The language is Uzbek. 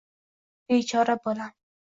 Bechora bolam.